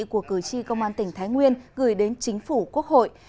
của cử tri công an tỉnh thái nguyên gửi đến chính phủ quốc hội